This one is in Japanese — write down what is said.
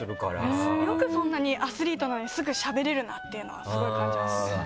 よくそんなにアスリートなのにすぐしゃべれるなっていうのはスゴい感じますね。